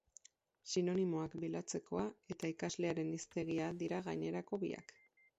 Sinonimoak bilatzekoa, eta ikaslearen hiztegia dira gainerako biak.